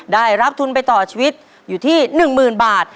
ได้รับทุนใบต่อชีวิตอยู่ที่หนึ่งหมื่นบาท